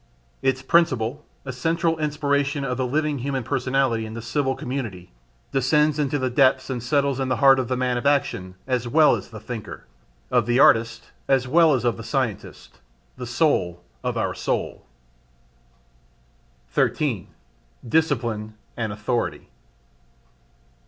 Its principle, a central inspiration of the living human personality in the civil community, descends into the depths and settles in the heart of the man of action as well as the thinker, of the artist as well as of the scientist; the soul of our soul. 13. Discipline and Authority.